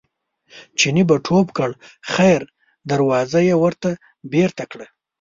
چیني به ټوپ کړ خیر دروازه یې ورته بېرته کړه.